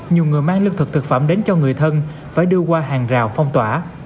nhiều người mang lương thực thực phẩm đến cho người thân phải đưa qua hàng rào phong tỏa